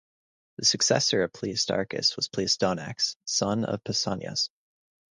The successor of Pleistarchus was Pleistoanax, son of Pausanias.